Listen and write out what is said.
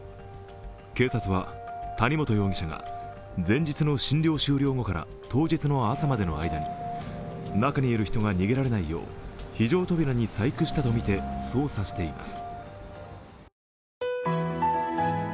警察は谷本容疑者が前日の診療終了後から当日の朝までの間に、中にいる人が逃げられないよう非常扉に細工したとみて捜査しています。